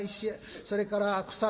それから草津。